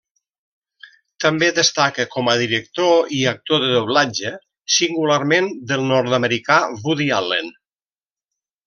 També destaca com a director i actor de doblatge, singularment del nord-americà Woody Allen.